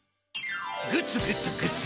グツグツグツ！